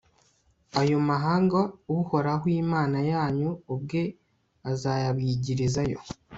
ayo mahanga, uhoraho, imana yanyu, ubwe azayabigirizayo